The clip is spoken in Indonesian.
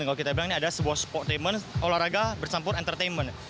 kalau kita bilang ini adalah sebuah sportainment olahraga bersampur entertainment